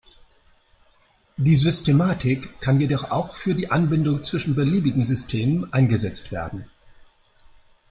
Die Systematik kann jedoch auch für die Anbindung zwischen beliebigen Systemen eingesetzt werden.